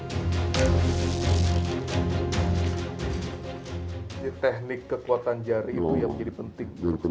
jadi teknik kekuatan jari itu yang menjadi penting